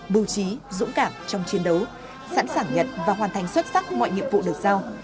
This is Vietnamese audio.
bù trí dũng cảm trong chiến đấu sẵn sàng nhận và hoàn thành xuất sắc mọi nhiệm vụ được giao